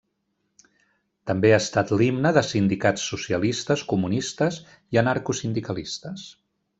També ha estat l'himne de sindicats socialistes, comunistes i anarcosindicalistes.